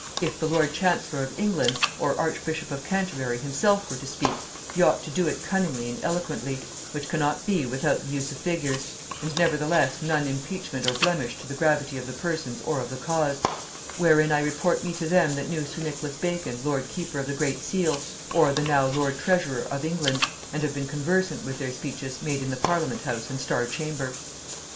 if the lord chancellor of England or archbishop of Canterbury himself were to speak, he ought to do it cunningly and eloquently, which cannot be without the use of figures: and nevertheless none impeachment or blemish to the gravity of the persons or of the cause: wherein I report me to them that knew sir Nicholas Bacon lord keeper of the great seal, or the now lord treasurer of England, and have been conversant with their speeches made in the Parliament house and Star chamber.